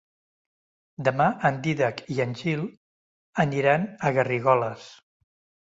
Demà en Dídac i en Gil aniran a Garrigoles.